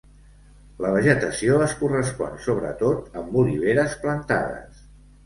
La vegetació es correspon sobretot amb oliveres plantades.